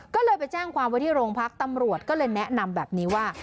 ก็เลยไปแจ้งความว่าที่โรงพักตำรวจก็เลยแนะนำแบบนี้ว่า